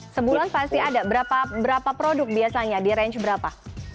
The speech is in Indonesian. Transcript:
sebulan pasti ada berapa produk biasanya di range berapa